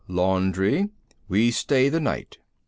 "Laundry. We stay the night."